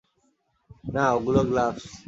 না, ওগুলো গ্লাভস।